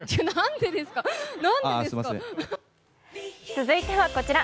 続いてはこちら。